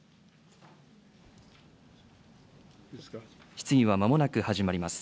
質疑はまもなく始まります。